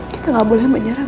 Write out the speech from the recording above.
kita gak boleh menyerah mas